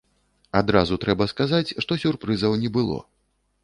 Адразу трэба сказаць, што сюрпрызаў не было.